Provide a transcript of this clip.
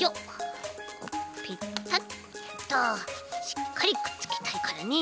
しっかりくっつけたいからね。